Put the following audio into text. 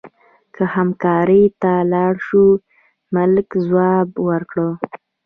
که حکمرانۍ ته لاړ شو، ملک ځواب ورکړ.